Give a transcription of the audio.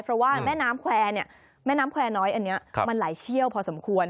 เพราะว่าแม่น้ำแขวณ้อยนี้มันไหลเชี่ยวพอสมควร